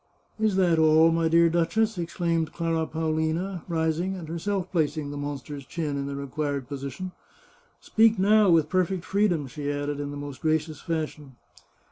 " Is that all, my dear duchess ?" exclaimed Clara Paolina, rising, and herself placing the monster's chin in the required position. " Speak now, with perfect freedom," she added, in the most gracious fashion.